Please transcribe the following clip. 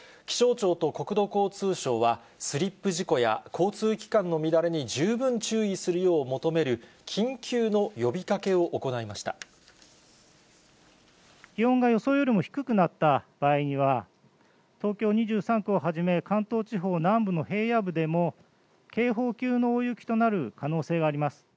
気象庁と国土交通省は、スリップ事故や交通機関の乱れに十分注意するよう求める緊急の呼気温が予想よりも低くなった場合には、東京２３区をはじめ、関東地方南部の平野部でも、警報級の大雪となる可能性があります。